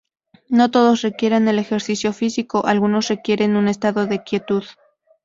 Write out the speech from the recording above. No todos requieren el ejercicio físico, algunos requieren un estado de quietud.